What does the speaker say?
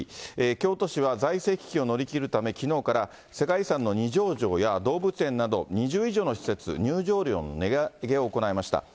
京都市は財政危機を乗り切るため、きのうから、世界遺産の二条城や動物園など、２０以上の施設の入場料の値上げを行いました。